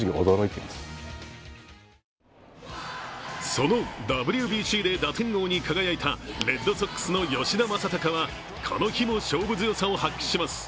そのＷＢＣで打点王に輝いたレッドソックスの吉田正尚はこの日も勝負強さを発揮します。